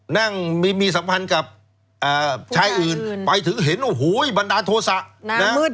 นั่งมีสัมพันธ์กับชายอื่นไปถึงเห็นโอ้โหบันดาลโทษะมืด